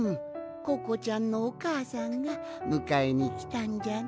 ココちゃんのおかあさんがむかえにきたんじゃな。